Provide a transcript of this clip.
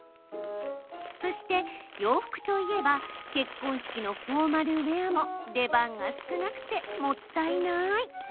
そして、洋服といえば結婚式のフォーマルウェアも出番が少なくて、もったいない。